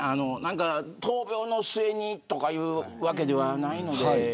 闘病の末にというわけではないので。